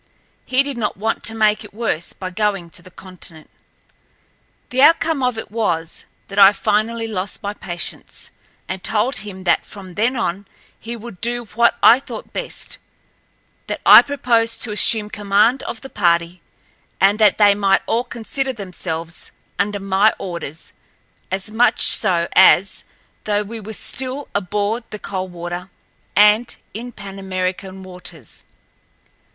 He did not want to make it worse by going to the continent. The outcome of it was that I finally lost my patience, and told him that from then on he would do what I thought best—that I proposed to assume command of the party, and that they might all consider themselves under my orders, as much so as though we were still aboard the Coldwater and in Pan American waters.